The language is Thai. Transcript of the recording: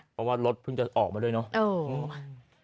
เพราะว่ารถเพิ่งจะออกมาด้วยเนาะ